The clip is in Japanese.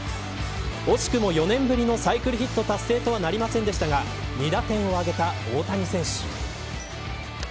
惜しくも４年ぶりのサイクルヒット達成とはなりませんでしたが２打点を挙げた大谷選手。